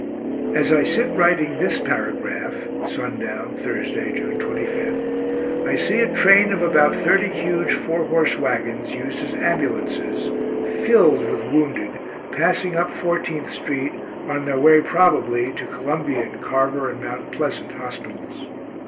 As I sit writing this paragraph (sundown, Thursday, June 25) I see a train of about thirty huge four horse wagons, used as ambulances, filled with wounded, passing up Fourteenth street, on their way, probably, to Columbian, Carver, and Mount Pleasant hospitals.